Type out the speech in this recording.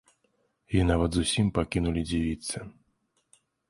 І нават зусім пакінулі дзівіцца.